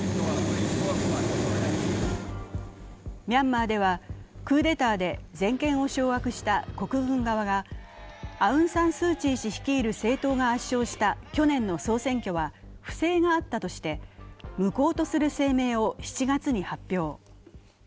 ミャンマーではクーデターで全権を掌握した国軍側がアウン・サン・スー・チー氏率いる政党が圧勝した去年の総選挙は不正があったとして無効とする声明を７月に発表。